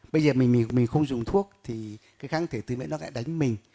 bây giờ mình không dùng thuốc thì kháng thể tự miễn nó lại đánh mình